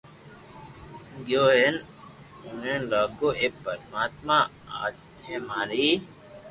گيو ھين اووا لاگو اي پرماتما اج ٿي ماري